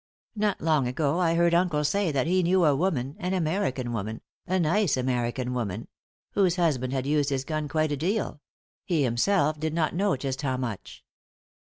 Not long ago I heard uncle say that he knew a woman— an American woman, a nice American woman — whose husband had used his gun quite a deal ; he himself did not know just how much.